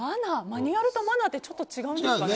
マニュアルとマナーってちょっと違うんですね。